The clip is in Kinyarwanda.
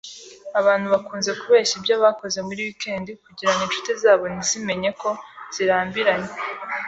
Abantu bakunze kubeshya ibyo bakoze muri wikendi, kugirango inshuti zabo ntizimenye ko zirambiranye